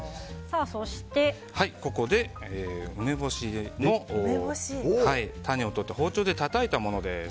ここで、梅干しの種を取って包丁でたたいたものです。